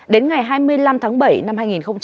đến ngày hai mươi năm tháng bảy năm hai nghìn hai mươi